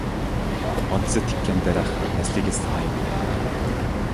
ئاتىسى تىككەن دەرەخ، نەسلىگە سايە بېرەر.